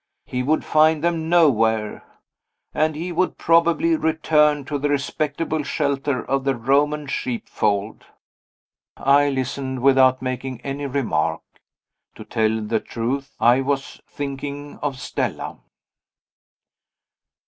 He would find them nowhere and he would probably return to the respectable shelter of the Roman sheepfold." I listened, without making any remark. To tell the truth, I was thinking of Stella.